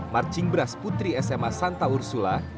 marching bras putri sma santa ursula